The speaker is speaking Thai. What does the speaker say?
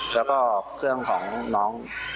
แล้วก็เครื่องของน้อง